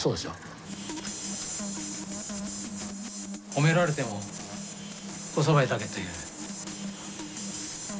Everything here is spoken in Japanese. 褒められてもこそばいだけという。